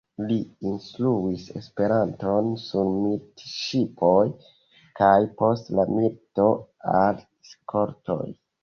Li instruis Esperanton sur militŝipoj kaj, post la milito, al skoltoj.